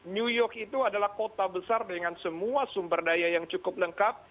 new york itu adalah kota besar dengan semua sumber daya yang cukup lengkap